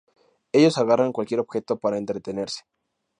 Ellos agarran cualquier objeto para entretenerse.